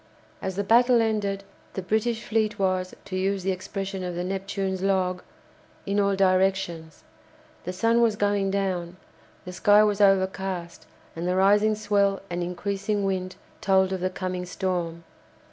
As the battle ended, the British fleet was, to use the expression of the "Neptune's" log, "in all directions." The sun was going down; the sky was overcast, and the rising swell and increasing wind told of the coming storm.